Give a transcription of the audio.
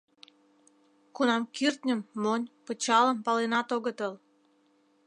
Кунам кӱртньым монь, пычалым паленат огытыл.